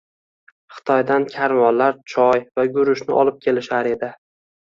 Xitoydan karvonlar choy va guruchni olib kelishar edi.